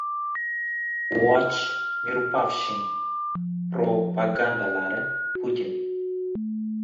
Watch Mirupafshim propagandalari Putin